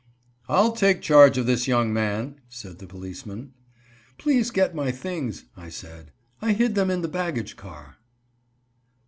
"I'll take charge of this young man," said the policeman. "Please get my things," I said. "I hid them in the baggage car."